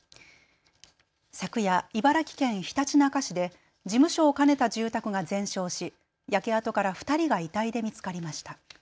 昨夜、茨城県ひたちなか市で事務所を兼ねた住宅が全焼し焼け跡から２人が遺体で見つかりました。